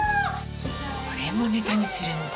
これもネタにするんだ。